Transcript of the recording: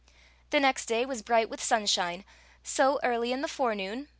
The next day was bright with sunshine; so, early in thr forenoon.